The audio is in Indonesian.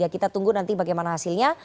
kita tunggu nanti bagaimana hasilnya